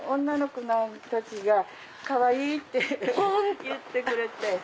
女の子たちがかわいい！って言ってくれて。